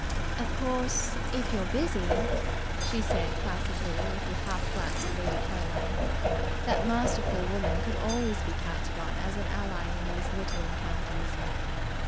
"Of course, if you're busy " she said placidly, with a half glance at Lady Caroline. That masterful woman could always be counted on as an ally in these little encounters.